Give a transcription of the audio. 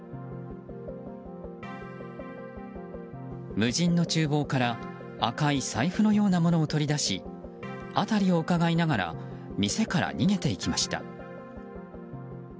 無人の厨房から赤い財布のようなものを取り出し辺りをうかがいながら店から逃げていきました。